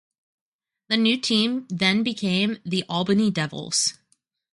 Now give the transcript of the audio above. The new team then became the Albany Devils.